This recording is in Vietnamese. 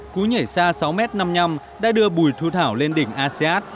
cú nhảy xa sáu m năm mươi năm đã đưa bùi thu thảo lên đỉnh asean